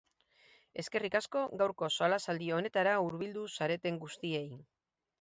Eskerrik asko gaurko solasaldi honetara hurbildu zareten guztiei.